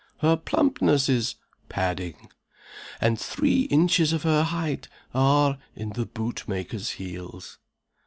Her plumpness is padding. And three inches of her height are in the boot maker's heels.